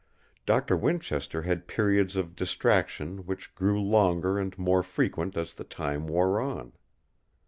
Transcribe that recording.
Doctor Winchester had periods of distraction which grew longer and more frequent as the time wore on.